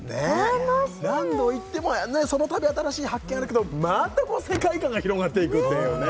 楽しみ何度行ってもそのたび新しい発見あるけどまた世界観が広がっていくっていうね